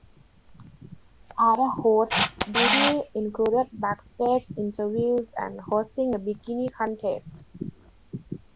Other "host" duties included backstage interviews and hosting a bikini contest.